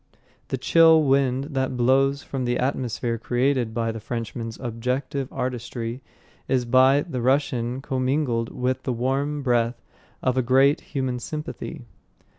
The chill wind that blows from the atmosphere created by the Frenchman's objective artistry is by the Russian commingled with the warm breath of a great human sympathy.